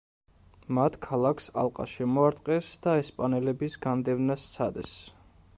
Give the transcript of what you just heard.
მათ ქალაქს ალყა შემოარტყეს და ესპანელების განდევნა სცადეს.